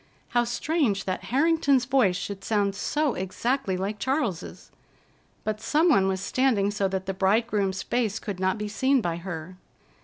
How strange that Harrington's voice should sound so exactly like Charles's! But some one was standing so that the bridegroom's face could not be seen by her.